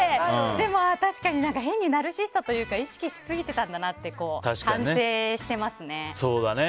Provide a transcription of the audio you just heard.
でも、確かに変にナルシストというか意識しすぎてたんだなって反省してますね。